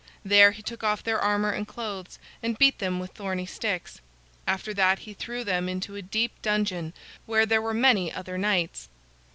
There he took off their armor and clothes, and beat them with thorny sticks. After that he threw them into a deep dungeon where there were many other knights.